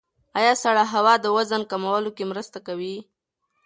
ایا سړه هوا د وزن کمولو کې مرسته کوي؟